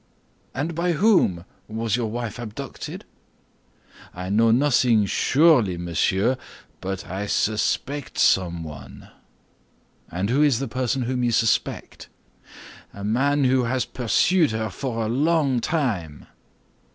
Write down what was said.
"And by whom was your wife abducted?" "I know nothing surely, monsieur, but I suspect someone." "And who is the person whom you suspect?" "A man who has pursued her a long time."